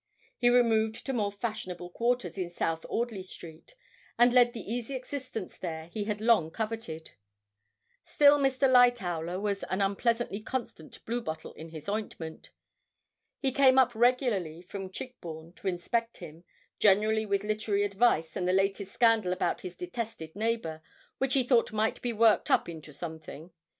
He removed to more fashionable quarters in South Audley Street, and led the easy existence there he had long coveted. Still Mr. Lightowler was an unpleasantly constant bluebottle in his ointment. He came up regularly from Chigbourne to inspect him, generally with literary advice and the latest scandal about his detested neighbour, which he thought might be 'worked up into something.'